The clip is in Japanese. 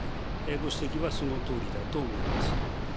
ご指摘はそのとおりだと思います。